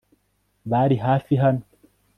Bari hafi hano